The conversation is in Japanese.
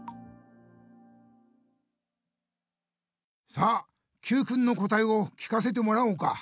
さあＱくんのこたえを聞かせてもらおうか。